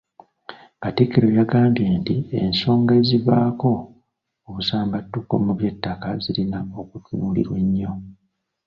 Katikkiro yagambye ensonga ezivaako obusambattuko mu by'ettaka zirina okutunuulirwa ennyo.